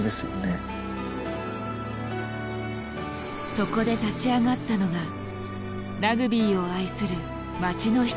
そこで立ち上がったのがラグビーを愛する街の人たち。